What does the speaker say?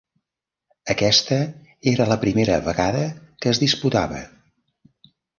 Aquesta era la primera vegada que es disputava.